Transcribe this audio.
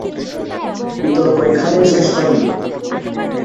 বিতর্ক এখানেই শেষ হয়নি।